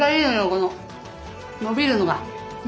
こののびるのが。